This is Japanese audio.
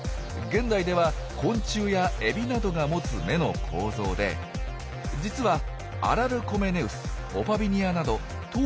現代では昆虫やエビなどが持つ眼の構造で実はアラルコメネウスオパビニアなど当時の動物の多くが複眼でした。